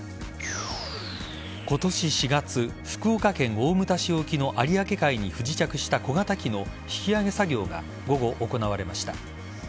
今年４月福岡県大牟田市沖の有明海に不時着した小型機の引き揚げ作業が午後、行われました。